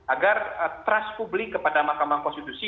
agar trust publik kepada mahkamah konstitusi